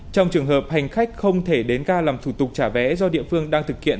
trong trường hợp hành khách không thể đến ga làm thủ tục trả vé do địa phương đang thực hiện